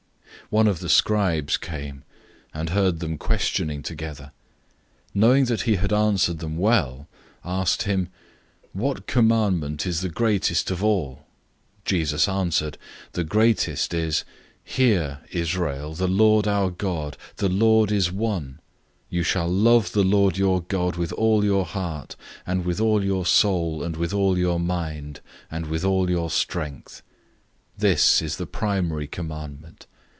012:028 One of the scribes came, and heard them questioning together. Knowing that he had answered them well, asked him, "Which commandment is the greatest of all?" 012:029 Jesus answered, "The greatest is, 'Hear, Israel, the Lord our God, the Lord is one: 012:030 you shall love the Lord your God with all your heart, and with all your soul, and with all your mind, and with all your strength.'{Deuteronomy 6:4 5} This is the first commandment.